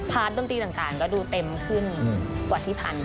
ดนตรีต่างก็ดูเต็มขึ้นกว่าที่ผ่านมา